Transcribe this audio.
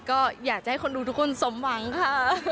ก็อยากจะให้คนดูทุกคนสมหวังค่ะ